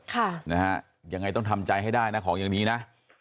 ค่ะนะฮะยังไงต้องทำใจให้ได้นะของอย่างนี้นะ